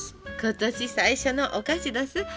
今年最初のお菓子どす。